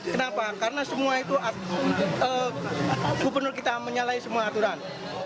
kenapa karena semua itu gubernur kita menyalahi semua aturan